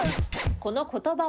この言葉は？